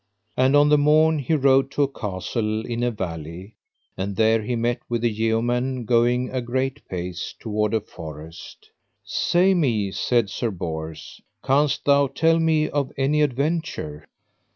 And on the morn he rode to a castle in a valley, and there he met with a yeoman going a great pace toward a forest. Say me, said Sir Bors, canst thou tell me of any adventure?